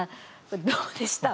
どうでした？